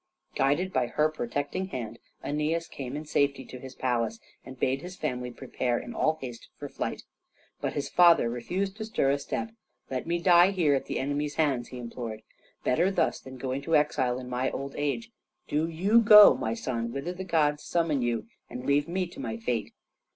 Guided by her protecting hand, Æneas came in safety to his palace, and bade his family prepare in all haste for flight. But his father refused to stir a step. "Let me die here at the enemy's hands," he implored. "Better thus than to go into exile in my old age. Do you go, my son, whither the gods summon you, and leave me to my fate."